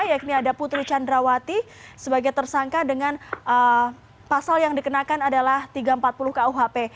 yakni ada putri candrawati sebagai tersangka dengan pasal yang dikenakan adalah tiga ratus empat puluh kuhp